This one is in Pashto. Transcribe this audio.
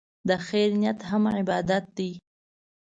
د خیر نیت هم عبادت دی.